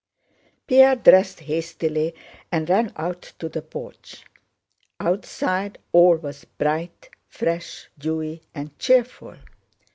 Pierre dressed hastily and ran out to the porch. Outside all was bright, fresh, dewy, and cheerful.